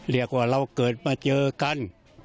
เรียกว่าเราเกิดมาเจอกัน